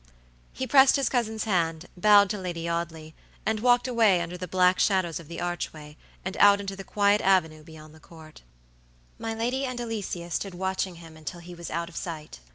He pressed his cousin's hand, bowed to Lady Audley, and walked away under the black shadows of the archway, and out into the quiet avenue beyond the Court. My lady and Alicia stood watching him until he was out of sight.